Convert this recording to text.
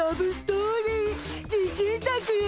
自信作よ。